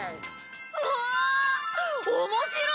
うわあ面白い！